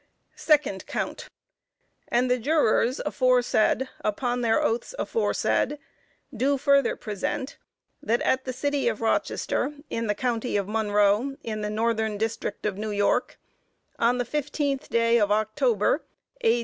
Second Count: And the Jurors aforesaid, upon their oaths aforesaid, do further present that at the City of Rochester, in the County of Monroe, in the Northern District of New York, on the fifteenth day of October, A.